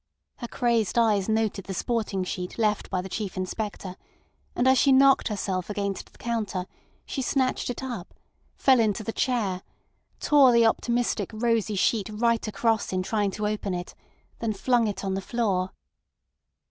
Her crazed eyes noted the sporting sheet left by the Chief Inspector, and as she knocked herself against the counter she snatched it up, fell into the chair, tore the optimistic, rosy sheet right across in trying to open it, then flung it on the floor.